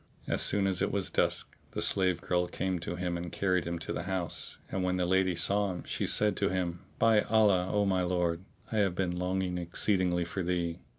As soon as it was dusk, the slave girl came to him and carried him to the house, and when the lady saw him she said to him, "By Allah, O my lord, I have been longing exceedingly for thee."